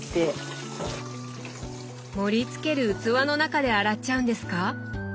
盛り付ける器の中で洗っちゃうんですか